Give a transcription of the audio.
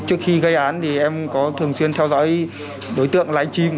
trước khi gây án thì em có thường xuyên theo dõi đối tượng live stream